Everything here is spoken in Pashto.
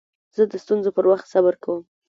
زه د ستونزو پر وخت صبر کوم.